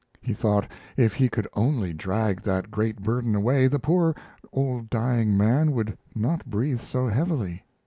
He though, if he could only drag that great burden away, the poor, old dying man would not breathe so heavily.